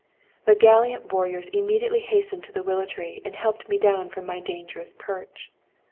"The gallant warriors immediately hastened to the willow tree and helped me down from my dangerous perch.